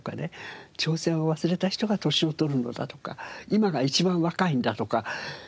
「挑戦を忘れた人が年を取るのだ」とか「今が一番若いんだ」とか言うわけですよね。